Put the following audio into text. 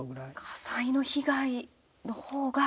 火災の被害の方が。